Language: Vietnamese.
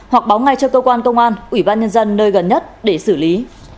hoặc báo ngay cho cơ quan công an ủy ban nhân dân nơi gần nhất để xử lý